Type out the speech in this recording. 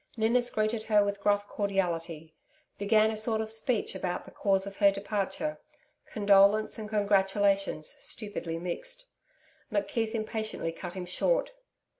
Ninnis greeted her with gruff cordiality began a sort of speech about the cause of her departure condolence and congratulations stupidly mixed. McKeith impatiently cut him short.